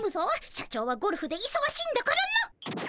社長はゴルフでいそがしいんだからな。